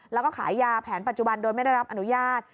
แล้วก็ขายยาแผนปัจจุบันโดยไม่ได้รับอนุญาต